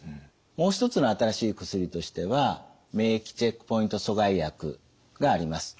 もう一つの新しい薬としては免疫チェックポイント阻害薬があります。